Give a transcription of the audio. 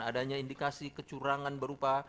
adanya indikasi kecurangan berupa